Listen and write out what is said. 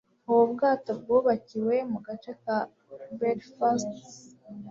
Ubu bwato bwubakiwe mu gace ka Belfast